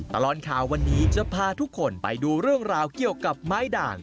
ตลอดข่าววันนี้จะพาทุกคนไปดูเรื่องราวเกี่ยวกับไม้ด่าง